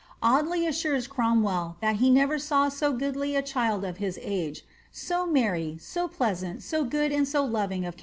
Audley assures Cromwell that he never saw so goodly a child of his age, ^^ so merry, so pleasant, so good and so loving of ■ Speed.